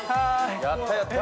やったやった！